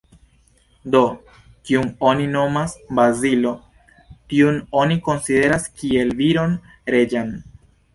Do: Kiun oni nomas Bazilo, tiun oni konsideras kiel viron reĝan.